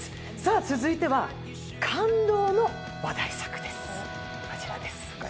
続いては、感動の話題作です。